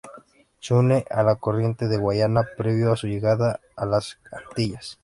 Se une a la corriente de Guayana previo a su llegada a las Antillas.